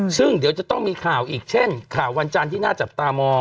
ซึ่งเดี๋ยวจะต้องมีข่าวอีกเช่นข่าววันจันทร์ที่น่าจับตามอง